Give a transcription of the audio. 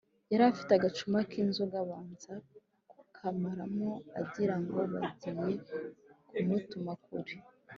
yari afite agacuma k’inzoga abanza kukamaramo agira ngo bagiye kumutuma kure.